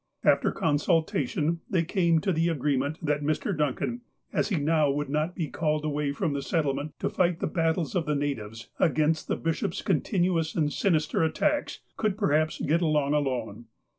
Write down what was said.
After consulta tion, they came to the agreement that Mr. Duncan, as he now would not be called away from the settlement to fight the battles of the natives against the bishop's con tinuous and sinister attacks, could perhaps get along alone.